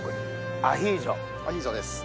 アヒージョです。